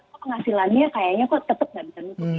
kok penghasilannya kayaknya kok tetep gak bisa menurutnya